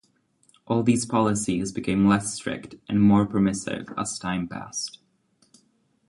All these policies became less strict and more permissive as time passed.